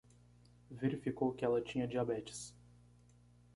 Verificou que ela tinha diabetes